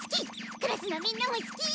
クラスのみんなも好き！